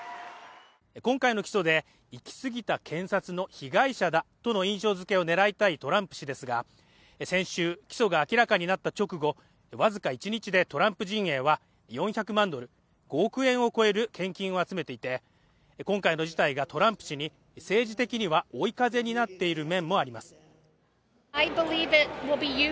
今回の起訴で行き過ぎた検察の被害者だとの印象付けを狙いたいトランプ氏ですが先週起訴が明らかになった直後わずか１日でトランプ陣営は４００万ドル、５億円を超える献金を集めていて今回の事態がトランプ氏に政治的には追い風になっている面もあります。